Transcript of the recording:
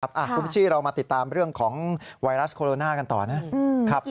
ครับคุณพุทธชีพเรามาติดตามเรื่องของไวรัสโคโรนากันต่อนะ